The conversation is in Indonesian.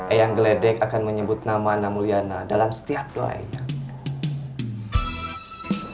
eyang geledek akan menyebut nama namuliana dalam setiap doa eyang